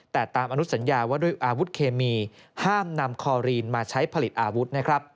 แต่ตามอนุสัญญาว่าด้วยอาวุธเคมีห้ามนำคอรีนมาใช้ผลิตอาวุธนะครับ